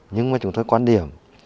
nhưng mà chúng tôi quan điểm